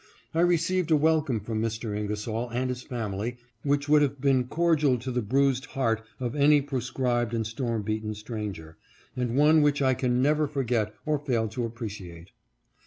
I received a welcome from Mr. Ingersoll and his family which would have been a cordial to the bruised heart of any proscribed and storm beaten stranger, and one which I can never forget or fail to appreciate.